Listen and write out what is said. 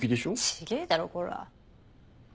違ぇだろコラ。